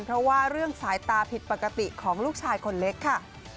เพราะว่าเรื่องสายตาผิดปกติของลูกชายคนเล็กค่ะ